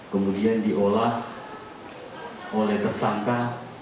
kemudian diolah oleh tersangka